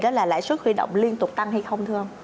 đó là lãi suất huy động liên tục tăng hay không thưa ông